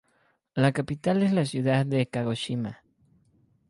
La capital es la ciudad de Kagoshima.